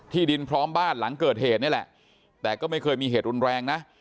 ดินพร้อมบ้านหลังเกิดเหตุนี่แหละแต่ก็ไม่เคยมีเหตุรุนแรงนะ